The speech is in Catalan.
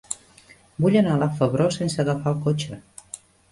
Vull anar a la Febró sense agafar el cotxe.